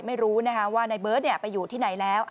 ไม่รู้ว่านายเบิร์ตไปอยู่ที่ไหนแล้ว